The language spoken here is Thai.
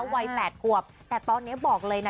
วัย๘ขวบแต่ตอนนี้บอกเลยนะ